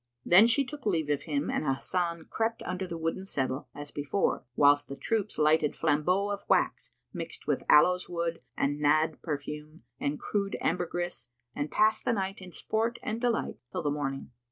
Then she took leave of him and Hasan crept under the wooden settle as before, whilst the troops lighted flambeaux of wax mixed with aloes wood and Nadd perfume and crude ambergris[FN#122] and passed the night in sport and delight till the morning.